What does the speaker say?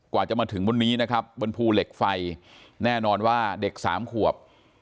กว่าจะมาถึงวันนี้นะครับบนภูเหล็กไฟแน่นอนว่าเด็กสามขวบ